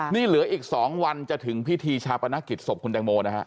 นี่เหลืออีก๒วันจะถึงพิธีชาปนกิจศพคุณแตงโมนะฮะ